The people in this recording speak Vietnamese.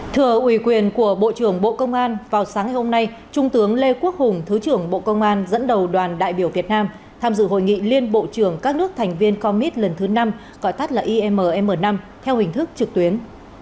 thừa ủy quyền của bộ trưởng bộ công an vào sáng ngày hôm nay trung tướng lê quốc hùng thứ trưởng bộ công an dẫn đầu đoàn đại biểu việt nam tham dự hội nghị liên bộ trưởng các nước thành viên commit lần thứ năm gọi tắt là imm năm theo hình thức trực tuyến